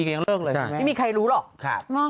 ไม่มีใครรู้หรอก